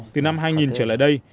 từ năm hai nghìn trở lại đây